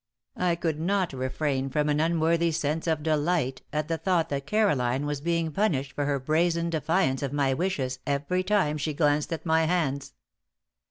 I could not refrain from an unworthy sense of delight at the thought that Caroline was being punished for her brazen defiance of my wishes every time she glanced at my hands.